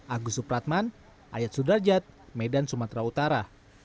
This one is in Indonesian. agus supratman ayat sudarjat medan sumatera utara